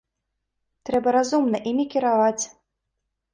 Трэба разумна імі кіраваць.